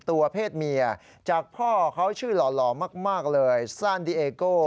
เพศเมียจากพ่อเขาชื่อหล่อมากเลยซ่านดิเอโก้